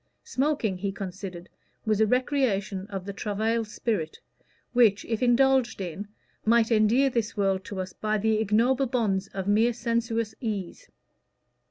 Smoking, he considered, was a recreation of the travailled spirit, which, if indulged in, might endear this world to us by the ignoble bonds of mere sensuous ease.